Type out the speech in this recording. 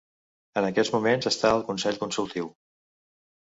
En aquests moments està al consell consultiu.